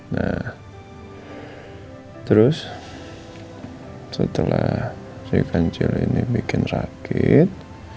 nah terus setelah si kencur ini bikin rakit